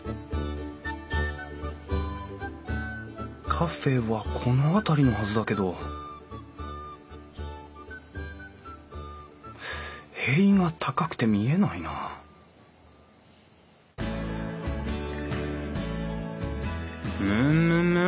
カフェはこの辺りのはずだけど塀が高くて見えないなむむむっ！